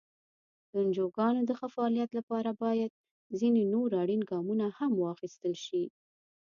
د انجوګانو د ښه فعالیت لپاره باید ځینې نور اړین ګامونه هم واخیستل شي.